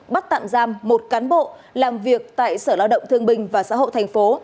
bắt tạm giam một cán bộ làm việc tại sở lao động thương bình và xã hội thành phố